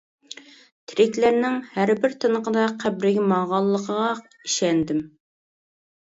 تىرىكلەرنىڭ ھەر بىر تىنىقىدا قەبرىگە ماڭغانلىقىغا ئىشەندىم.